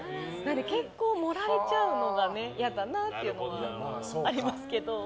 結構盛られちゃうのが嫌だなっていうのはありますけど。